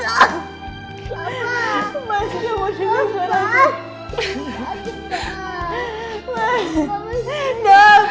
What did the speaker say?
mas kamu sudah berhasil bergerak